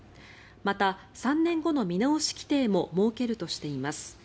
また、３年後の見直し規定も設けるとしています。